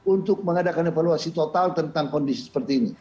untuk mengadakan evaluasi total tentang kondisi seperti ini